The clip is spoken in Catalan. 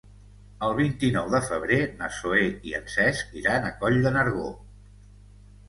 El vint-i-nou de febrer na Zoè i en Cesc iran a Coll de Nargó.